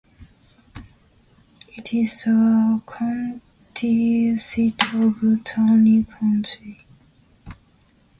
It is the county seat of Taney County.